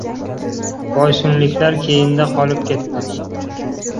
Boysunliklar keyinda qolib ketdi.